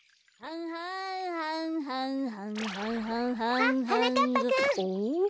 あっはなかっぱくん。